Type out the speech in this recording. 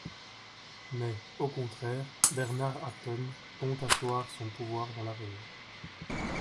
Mais, au contraire, Bernard Aton compte asseoir son pouvoir dans la région.